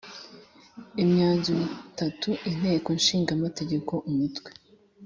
imyanzuro itatu Inteko Ishinga Amategeko Umutwe